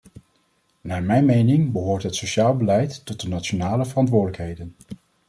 Naar mijn oordeel behoort het sociaal beleid tot de nationale verantwoordelijkheden.